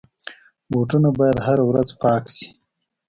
بوټونه باید هره ورځ پاک شي.